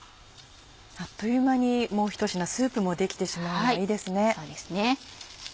あっという間にもうひと品スープもできてしまうのがいいですね。